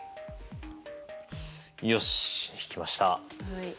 よし引きました。